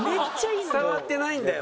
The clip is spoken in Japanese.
伝わってないんだよ。